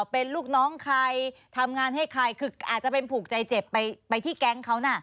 เป็นลูกน้องใครทำงานให้ใครคืออาจจะเป็นผูกใจเจ็บไปที่แก๊งเขาน่ะ